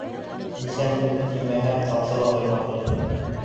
Бисәм үлде тимәһәм, тамсы ла ҡоймай инең.